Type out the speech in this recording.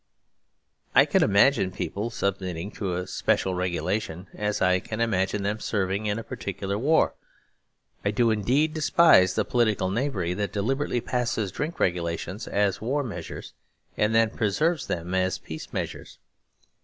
I can imagine people submitting to a special regulation, as I can imagine them serving in a particular war. I do indeed despise the political knavery that deliberately passes drink regulations as war measures and then preserves them as peace measures.